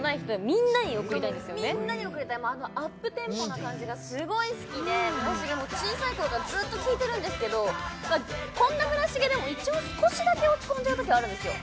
みんなに贈りたいあのアップテンポな感じがすごい好きで村重もう小さい頃からずっと聴いてるんですけどこんな村重でも一応少しだけ落ち込んじゃう時あるんですよ